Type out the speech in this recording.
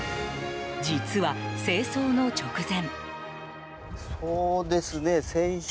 実は、清掃の直前。